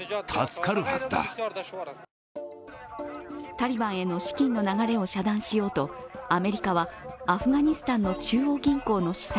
タリバンへの資金の流れを遮断しようとアメリカはアフガニスタンの中央銀行の資産